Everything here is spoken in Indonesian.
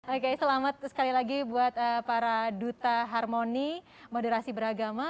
oke selamat sekali lagi buat para duta harmoni moderasi beragama